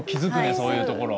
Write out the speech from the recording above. そういうところ。